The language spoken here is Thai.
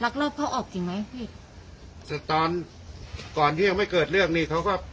รอบรอบเขาออกจริงไหมพี่แต่ตอนก่อนที่ยังไม่เกิดเรื่องนี่เขาก็